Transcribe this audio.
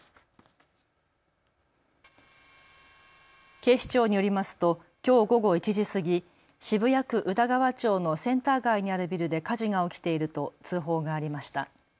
警視庁によりますときょう午後１時過ぎ、渋谷区宇田川町のセンター街にあるビルで火事が起きていると通報がありました。